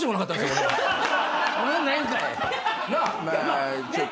おもろないんかい。